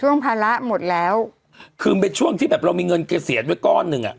ภาระหมดแล้วคือมันเป็นช่วงที่แบบเรามีเงินเกษียณไว้ก้อนหนึ่งอ่ะ